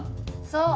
そう。